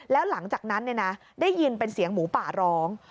แล้วหลังจากนั้นได้ยินเป็นเสียงหมูป่าร้อง